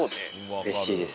うれしいです。